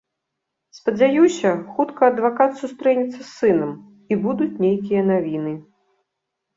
Спадзяюся, хутка адвакат сустрэнецца з сынам, і будуць нейкія навіны.